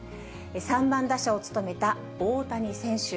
３番打者を務めた大谷選手。